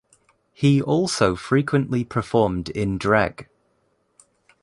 He also frequently performed in drag.